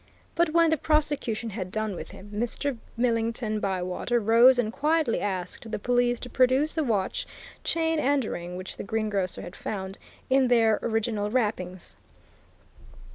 But when the prosecution had done with him, Mr. Millington Bywater rose and quietly asked the police to produce the watch, chain and ring which the greengrocer had found, in their original wrappings.